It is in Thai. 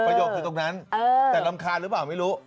โยคคือตรงนั้นแต่รำคาญหรือเปล่าไม่รู้